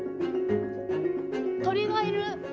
鳥がいる！